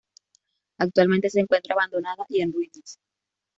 Actualmente se encuentra abandonada y en ruinas.